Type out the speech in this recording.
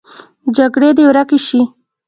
جګړې دې ورکې شي